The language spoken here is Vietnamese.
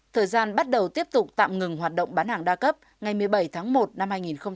thời gian bắt đầu tiếp tục tạm ngừng hoạt động bán hàng đa cấp ngày một mươi bảy tháng một năm hai nghìn hai mươi